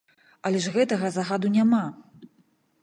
Але ж гэтага загаду няма!